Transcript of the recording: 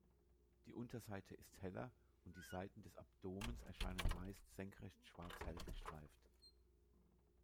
Die Unterseite ist heller und die Seiten des Abdomens erscheinen meist senkrecht schwarz-hell gestreift.